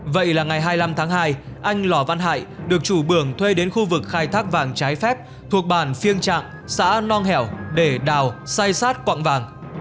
vậy là ngày hai mươi năm tháng hai anh lỏ văn hại được chủ bưởng thuê đến khu vực khai thác vàng trái phép thuộc bản phiêng trạng xã nong hẻo để đào say sát quặng vàng